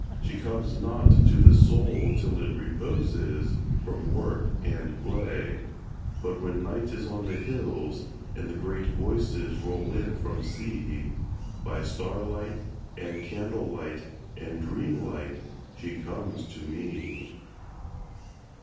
She comes not to the Soul till it reposes From work and play. But when Night is on the hills, and the great Voices Roll in from Sea, By starlight and candle light and dreamlight She comes to me.